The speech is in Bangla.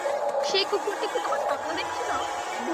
সেই কুকুরটি কি তখন স্বপ্ন দেখছিল?